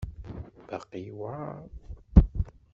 Baqi yewεer.